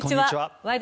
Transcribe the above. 「ワイド！